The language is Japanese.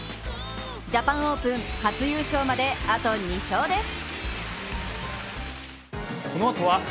ジャパンオープン初優勝まであと２勝です。